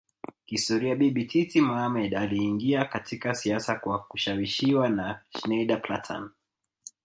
Kihistoria Bibi Titi Mohammed aliingia katika siasa kwa kushawishiwa na Schneider Plantan